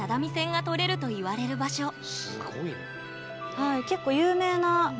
はい。